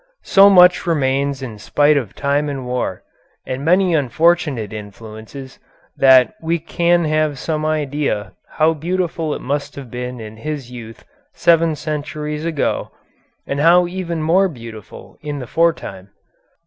So much remains in spite of time and war, and many unfortunate influences, that we can have some idea how beautiful it must have been in his youth seven centuries ago, and how even more beautiful in the foretime.